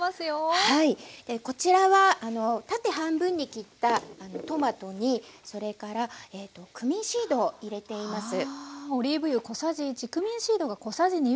はいこちらは縦半分に切ったトマトにそれからクミンシードを入れています。